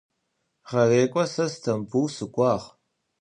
Ğerêk'o se Stambul sık'uağ.